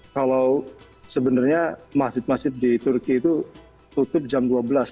kalau sebenarnya masjid masjid di turki itu tutup jam dua belas